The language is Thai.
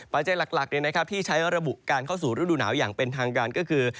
หลักที่ใช้ระบุการเข้าสู่ฤดูหนาวอย่างเป็นทางการก็คือ